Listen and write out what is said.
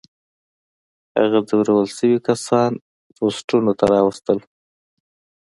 هغه ځورول شوي کسان پوستونو ته راوستل.